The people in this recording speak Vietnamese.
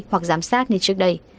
hoặc giám sát như trước đây